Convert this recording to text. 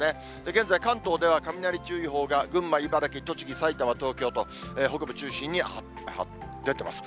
現在、関東では雷注意報が群馬、茨城、栃木、埼玉、東京と、北部中心に出てます。